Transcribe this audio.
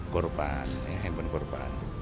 korban handphone korban